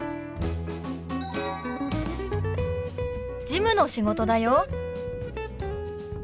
事務の仕事だよ。